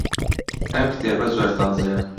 ئەم کتێبە زۆر تازەیە.